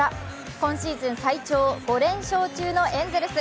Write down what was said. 今シーズン最長、５連勝中のエンゼルス。